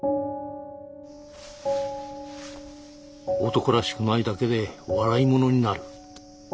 男らしくないだけで笑い者になる。